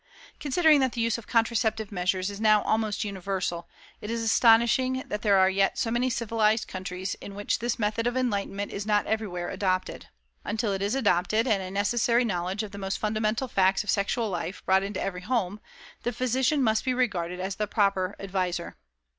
Considering that the use of contraceptive measures is now almost universal, it is astonishing that there are yet so many 'civilized' countries in which this method of enlightenment is not everywhere adopted. Until it is adopted, and a necessary knowledge of the most fundamental facts of sexual life brought into every home, the physician must be regarded as the proper adviser.